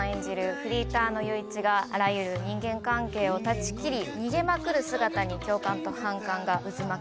フリーターの裕一があらゆる人間関係を断ち切り逃げまくる姿に共感と反感が渦巻く